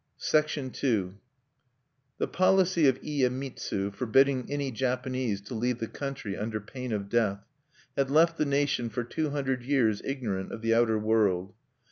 II The policy of Iyemitsu, forbidding any Japanese to leave the country under pain of death, had left the nation for two hundred years ignorant of the outer world.